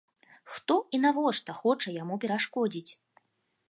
Хто і навошта хоча яму перашкодзіць?